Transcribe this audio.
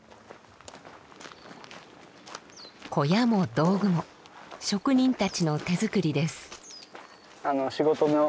小屋も道具も職人たちの手作りです。